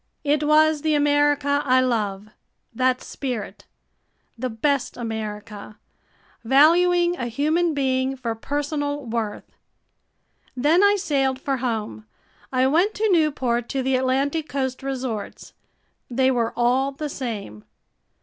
It was the America I love that spirit. The best America valuing a human being for personal worth. Then I sailed for home. I went to Newport, to the Atlantic coast resorts. They were all the same.